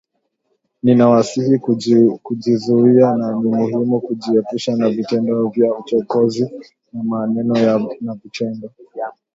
Ninawasihi kujizuia na ni muhimu kujiepusha na vitendo vya uchokozi kwa maneno na vitendo